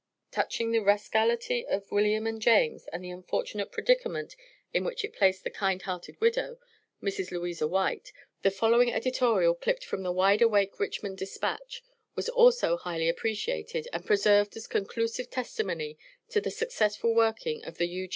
Touching the "rascality" of William and James and the unfortunate predicament in which it placed the kind hearted widow, Mrs. Louisa White, the following editorial clipped from the wide awake Richmond Despatch, was also highly appreciated, and preserved as conclusive testimony to the successful working of the U.